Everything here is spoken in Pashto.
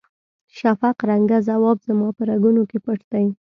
شفق رنګه ځواب زما په رګونو کې پټ دی.